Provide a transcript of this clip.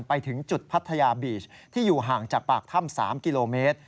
ไปถึงจุดพัทยาบีชที่อยู่ห่างจากปากถ้ำ๓กิโลเมตร